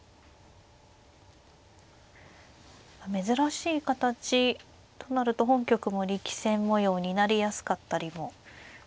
珍しい形となると本局も力戦模様になりやすかったりもするんでしょうか。